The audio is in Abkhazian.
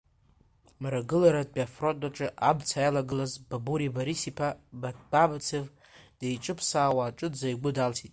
Мрагыларатәи афронт аҿы амца иалагылаз Бабури Борис-иԥа Мамацев диҿыԥсаауа аҿынӡа игәы далсит.